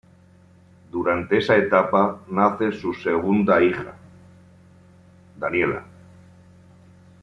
Durante esa etapa nace su segundo hija, Daniela.